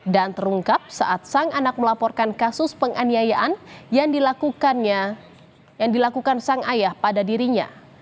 dan terungkap saat sang anak melaporkan kasus penganiayaan yang dilakukan sang ayah pada dirinya